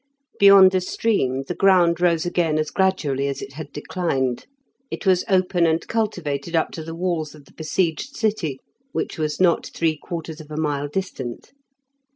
Beyond the stream the ground rose again as gradually as it had declined. It was open and cultivated up to the walls of the besieged city, which was not three quarters of a mile distant.